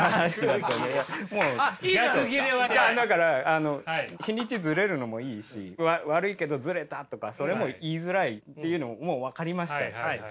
だからあの日にちずれるのもいいし悪いけどずれたとかそれも言いづらいっていうのももう分かりました。